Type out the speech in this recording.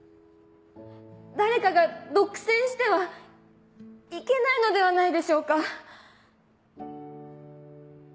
誰かが独占してはいけないのではないでしょうか。